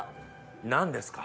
何ですか？